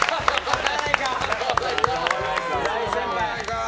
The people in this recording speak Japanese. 大先輩！